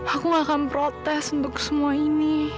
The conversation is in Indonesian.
aku akan protes untuk semua ini